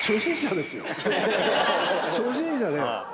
初心者で。